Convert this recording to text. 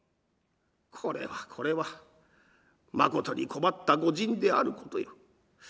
「これはこれはまことに困った御仁であることよ。